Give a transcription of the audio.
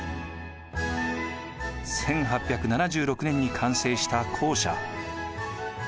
１８７６年に完成した校舎。